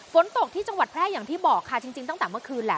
ฝนตกที่จังหวัดแพร่อย่างที่บอกค่ะจริงตั้งแต่เมื่อคืนแหละ